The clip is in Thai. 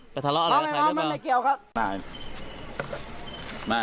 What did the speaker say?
ไปทะเลาะอะไรแล้วใช่หรือเปล่าไม่เอามันไม่เกี่ยวครับมา